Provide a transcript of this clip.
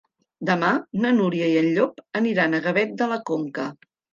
Demà na Núria i en Llop aniran a Gavet de la Conca.